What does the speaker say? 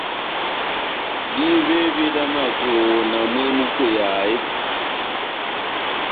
Dívévé dá majohó na mwehé múkweyaha eeeh ?